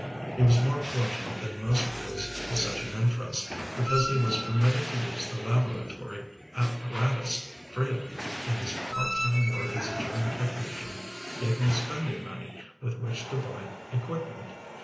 He was more fortunate than most boys with such an interest, because he was permitted to use the laboratory apparatus freely and his part time work as a junior technician gave him spending money with which to buy equipment.